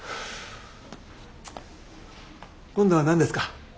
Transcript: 今度は何ですか？